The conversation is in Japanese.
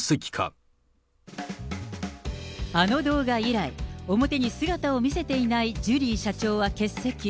あの動画以来、表に姿を見せていないジュリー社長は欠席。